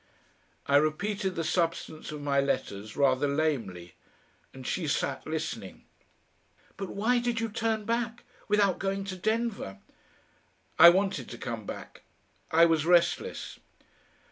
I repeated the substance of my letters rather lamely, and she sat listening. "But why did you turn back without going to Denver?" "I wanted to come back. I was restless."